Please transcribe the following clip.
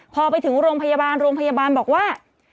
พอไปถึงโรงพยาบาลโรงพยาบาลบอกว่า